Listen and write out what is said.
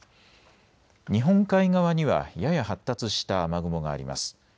日本海側にはやや発達した雨雲があります。